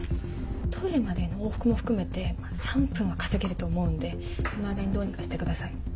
トイレまでの往復も含めて３分は稼げると思うんでその間にどうにかしてください。